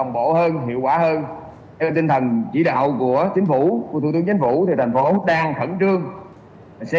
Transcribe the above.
giảm tử vong